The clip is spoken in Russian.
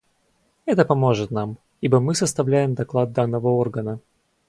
Это поможет нам, ибо мы составляем доклад данного органа.